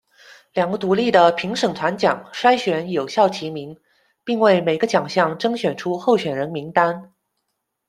两个独立的评审团奖筛选有效提名，并为每个奖项甄选出候选人名单。